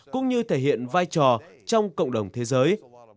cũng như thể hiện vai trò trong cộng đồng thế giới